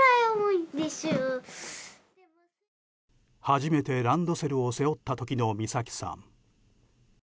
初めてランドセルを背負った時の美咲さん。